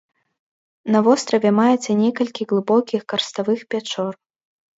На востраве маецца некалькі глыбокіх карставых пячор.